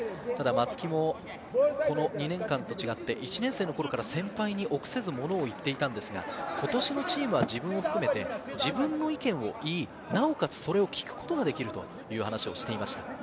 松木もこの２年間と違って、１年生の頃から先輩に臆せずものを言っていたんですが、今年のチームは自分も含めて、自分の意見を言い、なおかつそれを聞くことができるという話をしていました。